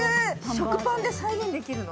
食パンで再現できるの？